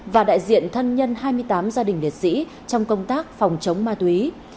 và đại diện thân nhân hai mươi tám gia đình liệt sĩ trong công tác phòng chống ma túy